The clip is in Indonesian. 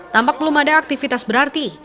tampak belum ada aktivitas berarti